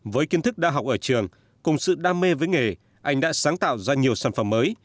với kiến thức đã học ở trường cùng sự đam mê với nghề anh đã sáng tạo ra nhiều sản phẩm mới